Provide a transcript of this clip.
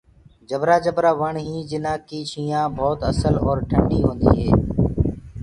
جبرآ جبرآ وڻ هينٚ جنآ ڪي ڇِيآنٚ ڀوت اسل اور ٽنڏي هوندي هي۔